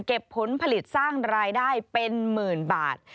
ผลผลิตสร้างรายได้เป็นหมื่นบาท